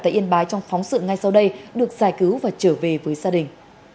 tại yên bái trong phóng sự ngay sau đây được giải cứu và trở về với gia đình